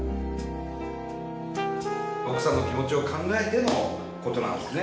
奥さんの気持ちを考えての事なんですね。